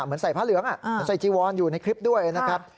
เหมือนใส่ผ้าเหลืองใส่จีวอนอยู่ในคลิปด้วยนะครับ